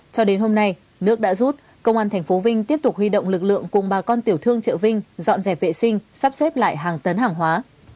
cho đến hôm nay nước đã rút công an tp vinh tiếp tục huy động lực lượng cùng bà con tiểu thương chợ vinh dọn dẹp vệ sinh sắp xếp lại hàng tấn hàng hóa